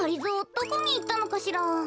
どこにいったのかしら？